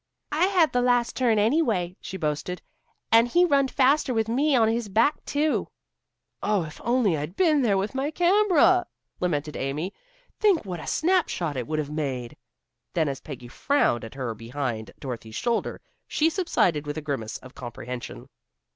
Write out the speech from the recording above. "I had the last turn, anyway," she boasted; "and he runned faster with me on his back, too." "Oh, if I'd only been there with my camera," lamented Amy. "Think what a snap shot it would have made." Then as Peggy frowned at her behind Dorothy's shoulder, she subsided with a grimace of comprehension.